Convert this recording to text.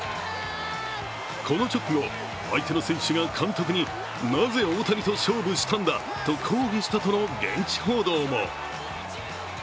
この直後、相手の選手が監督になぜ大谷と勝負したんだと抗議したんだとの現地報道も。